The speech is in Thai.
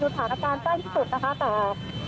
ด้วยการพยายามควบคุมสถานการณ์